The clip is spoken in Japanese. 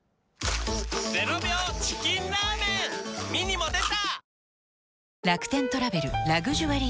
ミニも出た！